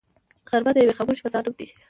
غرمه د یوې خاموشې فضا نوم دی